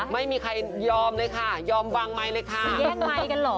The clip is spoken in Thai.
ไม่ยอมเลยค่ะยอมวางไมค์เลยค่ะแย่งไมค์กันเหรอ